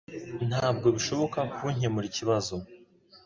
Ntabwo bishoboka ko nkemura ikibazo